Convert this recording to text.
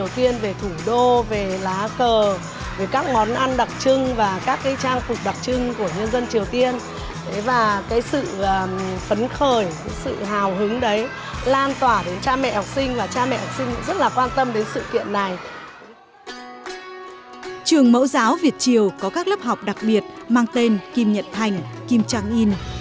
trường mẫu giáo việt triều có các lớp học đặc biệt mang tên kim nhật thành kim trang yên